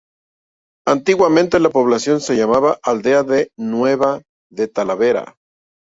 Antiguamente la población se llamaba "Aldea Nueva de Talavera".